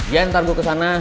ya ntar gue ke sana